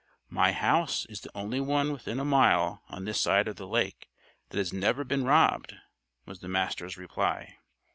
"My house is the only one within a mile on this side of the lake that has never been robbed," was the Master's reply.